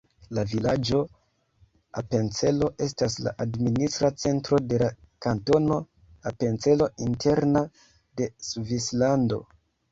La vilaĝo Apencelo estas la administra centro de la Kantono Apencelo Interna de Svislando.